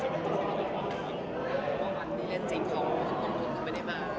จะได้เห็นคุณสำคัญของด่วนนท์